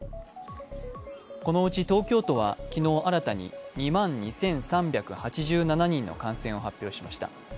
このうち東京都は昨日新たに２万２３８７人の感染を発表しました。